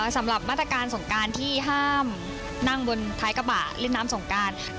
สำหรับมาตรการสงการที่ห้ามนั่งบนท้ายกระบะเล่นน้ำสงการ